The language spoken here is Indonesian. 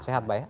sehat pak ya